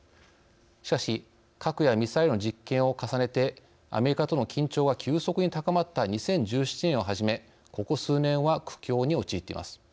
しかし核やミサイルの実験を重ねてアメリカとの緊張が急速に高まった２０１７年をはじめここ数年は苦境に陥っています。